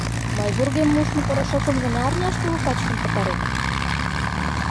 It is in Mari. Мый вургем мушмо порошокым гына арняште лу пачкым пытарем?